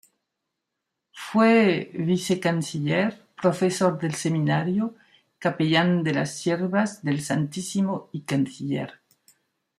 Fue vicecanciller, profesor del Seminario, capellán de las Siervas del Santísimo y Canciller.